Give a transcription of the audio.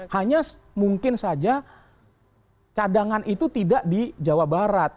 hanya mungkin saja cadangan itu tidak di jawa barat